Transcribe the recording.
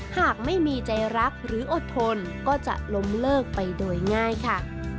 หากไม่มีใจรักหรืออดทนก็จะล้มเลิกไปโดยง่ายค่ะ